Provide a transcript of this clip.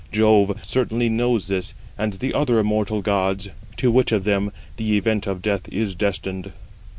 Jove, certainly, knows this, and the other immortal gods, to which of them the event of death is destined."